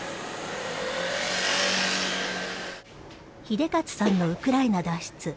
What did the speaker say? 英捷さんのウクライナ脱出。